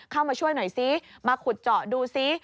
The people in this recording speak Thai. เข้ามาช่วยหน่อยซิมาขุดเจาะดูซิ